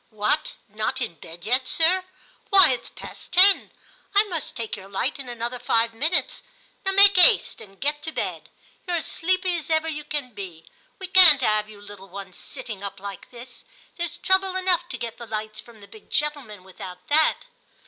' What, not in bed yet, sir ? why, it's past ten. I must take your light in another five minutes. Now make 'aste and get to bed ; you're as sleepy as ever you can be ; we can't 'ave you little ones sitting up like this ; there's trouble enough to get the lights from the big gentlemen without that.'